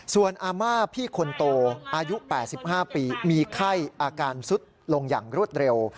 ส่วนอาม่าพี่คนโตอายุ๘๕ปีมีไข้อาการสุดลงอย่างรวดเร็ว